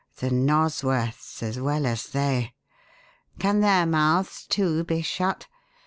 The Nosworths, as well as they? Can their mouths, too, be shut?